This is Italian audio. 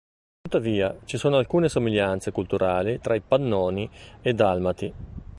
Tuttavia, ci sono alcune somiglianze culturali tra i Pannoni e Dalmati.